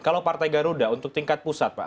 kalau partai garuda untuk tingkat pusat pak